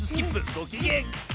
ごきげん。